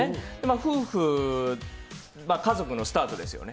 夫婦、家族のスタートですよね。